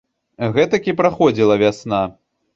Гэтак і праходзіла вясна.